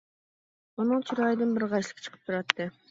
ئۇنىڭ چىرايىدىن بىر غەشلىك چىقىپ تۇراتتى.